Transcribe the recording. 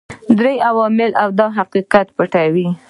درې عوامل دا حقیقت پټوي.